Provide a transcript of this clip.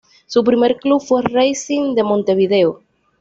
Su primer club fue Racing de Montevideo.